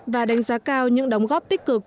và đánh giá cao những đóng góp tích cực